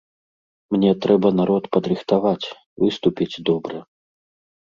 Мне трэба народ падрыхтаваць, выступіць добра.